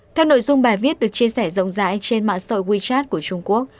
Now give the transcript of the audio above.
theo nội dung bài viết được chia sẻ rộng rãi trên mạng sội wechat của trung quốc